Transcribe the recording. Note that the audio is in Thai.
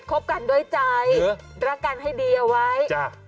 คบกันโดยใจรักกันให้ดีเอาไว้